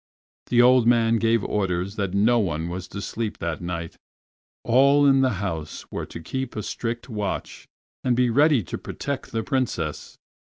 The old man gave orders that no one was to sleep that night, all in the house were to keep a strict watch, and be ready to protect the Princess.